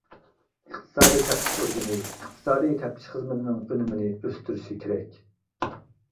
ئىقتىسادىي تەپتىش ئورگىنى ئىقتىسادىي تەپتىش خىزمىتىنىڭ ئۈنۈمىنى ئۆستۈرۈشى كېرەك.